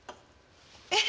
えっ。